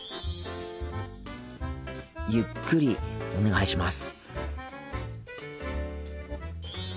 ゆっくりお願いします。